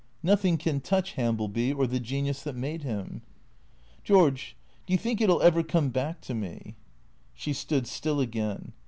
" Nothing can touch Hambleby or the genius that made him.'' " George — do you think it '11 ever come back to me ?" She stood still again.